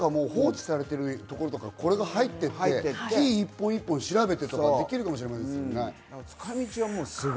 山とかも放置されてる所とか、これが入っていって、木を一本一本調べて行ったりできるかもしれませんね。